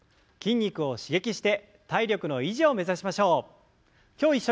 筋肉を刺激して体力の維持を目指しましょう。